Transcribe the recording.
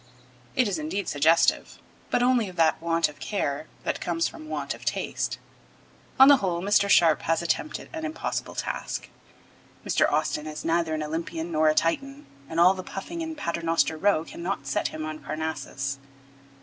It is indeed suggestive, but only of that want of care that comes from want of taste. On the whole, Mr. Sharp has attempted an impossible task. Mr. Austin is neither an Olympian nor a Titan, and all the puffing in Paternoster Row cannot set him on Parnassus.